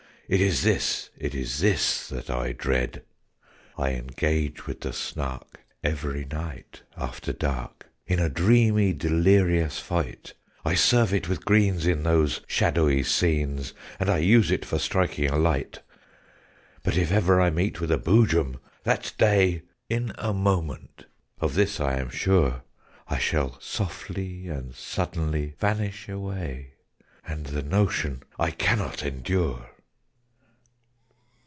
It is this, it is this that I dread! "I engage with the Snark every night after dark In a dreamy delirious fight: I serve it with greens in those shadowy scenes, And I use it for striking a light: [Illustration: "BUT OH, BEAMISH NEPHEW, BEWARE OF THE DAY"] "But if ever I meet with a Boojum, that day, In a moment (of this I am sure), I shall softly and suddenly vanish away And the notion I cannot endure!"